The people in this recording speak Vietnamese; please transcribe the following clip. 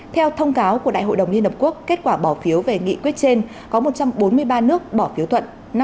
theo thông cáo của đại hội đồng liên hợp quốc kết quả bỏ phiếu về nghị quyết trên có một trăm bốn mươi ba nước bỏ phiếu thuận